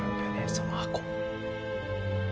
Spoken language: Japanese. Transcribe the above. その箱。